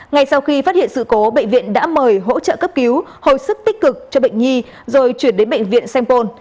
ngay sau khi phát hiện sự cố bệnh viện đã mời hỗ trợ cấp cứu hồi sức tích cực cho bệnh nhi rồi chuyển đến bệnh viện sampol